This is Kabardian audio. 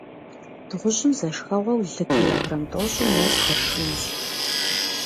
Дыгъужьым зэ шхэгъуэу лы килограмм тIощIым нэс хуэшхынущ.